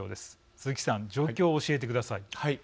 鈴木さん状況を教えてください。